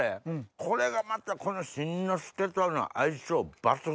これがまたこの新之助との相性抜群。